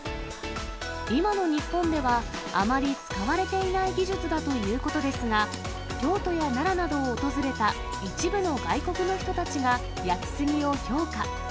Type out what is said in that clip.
今の日本ではあまり使われていない技術だということですが、京都や奈良などを訪れた一部の外国の人たちが焼杉を評価。